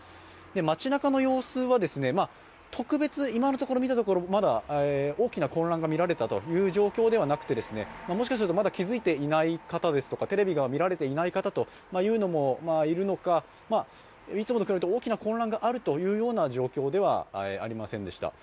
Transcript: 町なかの様子は特別、今のところ見たところまだ大きな混乱がみられたという状況ではなくてもしかするとまだ気付いていない方ですとか、テレビが見られていない方というのもいるのかいつもと比べて大きな混乱があるというような状況ではありませんでした。